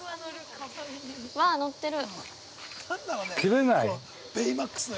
わぁ、乗ってる。